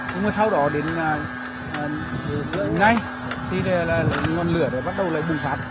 nhưng mà sau đó đến ngày thì là ngọn lửa đã bắt đầu lại bùng phát